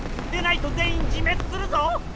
でないと全員自滅するぞ！